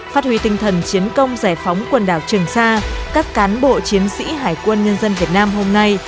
phát huy tinh thần chiến công giải phóng quần đảo trường sa các cán bộ chiến sĩ hải quân nhân dân việt nam hôm nay